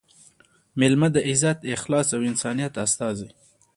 مېلمه – د عزت، اخلاص او انسانیت استازی